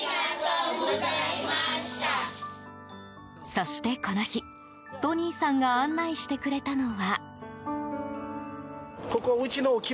そしてこの日、トニーさんが案内してくれたのは。